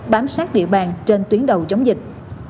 bám sát địa bàn trên tuyến đầu chống dịch